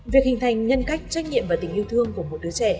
việc hình thành nhân cách trách nhiệm và tình yêu thương của một đứa trẻ